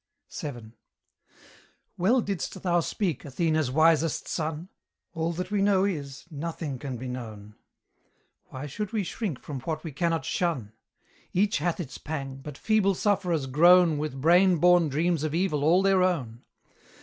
VII. Well didst thou speak, Athena's wisest son! 'All that we know is, nothing can be known.' Why should we shrink from what we cannot shun? Each hath its pang, but feeble sufferers groan With brain born dreams of evil all their own.